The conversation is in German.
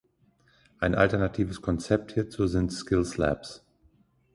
Ein alternatives Konzept hierzu sind Skills Labs.